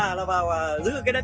đây là người dân chúng ta